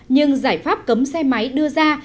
nhưng giải pháp cấm xe máy đưa ra